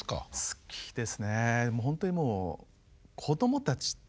好きですね。